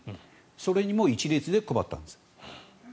それにも一律で配ったんです。